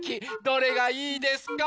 どれがいいですか？